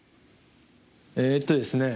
えっとですね